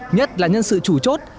nhất là nhân sự chủ chốt